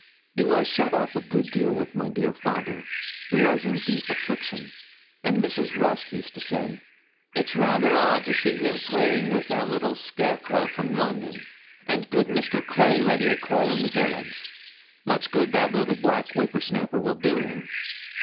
He was shut up a good deal with my dear father, who was in deep affliction; and Mrs. Rusk used to say, 'It is rather odd to see him praying with that little scarecrow from London, and good Mr. Clay ready at call, in the village; much good that little black whipper snapper will do him!'